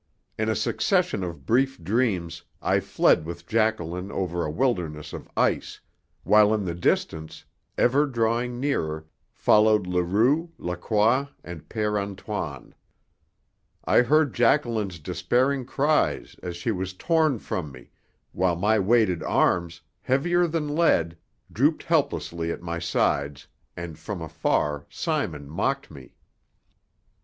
In a succession of brief dreams I fled with Jacqueline over a wilderness of ice, while in the distance, ever drawing nearer, followed Leroux, Lacroix, and Père Antoine. I heard Jacqueline's despairing cries as she was torn from me, while my weighted arms, heavier than lead, drooped helplessly at my sides, and from afar Simon mocked me.